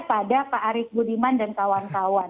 pada pak arief budiman dan kawan kawan